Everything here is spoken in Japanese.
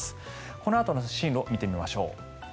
このあとの進路を見てみましょう。